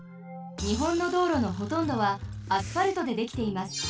日本の道路のほとんどはアスファルトでできています。